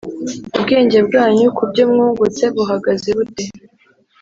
ubwenge bwanyu ku byo mwungutse buhagaze bute